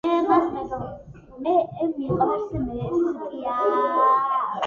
მე მიყვარს მესტიაააააააააააააააააააააააააააა